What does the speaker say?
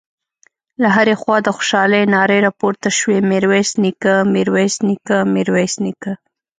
له هرې خوا د خوشالۍ نارې راپورته شوې: ميرويس نيکه، ميرويس نيکه، ميرويس نيکه….